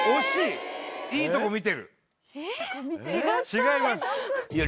違います。